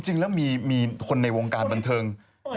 จริงแล้วมีคนในวงการบันเทิง